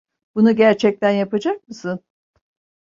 Bunu gerçekten yapacak mısın?